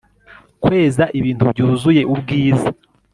Kweza ibintu byuzuye ubwiza